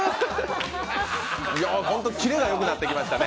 キレがよくなってきましたね。